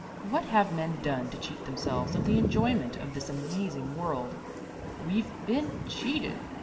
What have men done to cheat themselves of the enjoyment of this amazing world? "We've been cheated!"